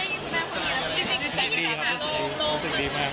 เอาถึงจุดที่เขาอยากจะมาปรึกษาเราแล้วเราให้ว่ากัน